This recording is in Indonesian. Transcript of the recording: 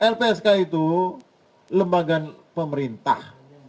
lpsk itu lembaga pemerintah